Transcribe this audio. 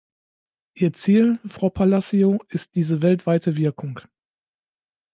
Ihr Ziel, Frau Palacio, ist diese weltweite Wirkung.